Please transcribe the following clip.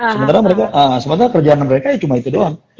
sementara mereka sementara kerjaan mereka ya cuma itu doang